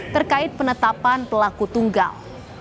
terkait penetapan pelaku tunggal